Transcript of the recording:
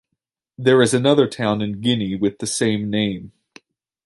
There is another town in Guinea with the same name.